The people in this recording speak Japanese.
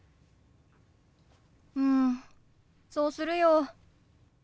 うんそうするよ。